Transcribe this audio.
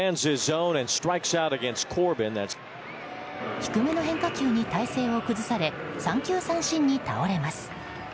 低めの変化球に体勢を崩され三球三振に倒れます。